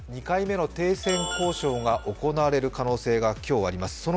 ２回目の停戦交渉が行われる可能性が今日あります。